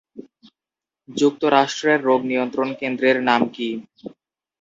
যুক্তরাষ্ট্রের রোগ নিয়ন্ত্রণ কেন্দ্রের নাম কি?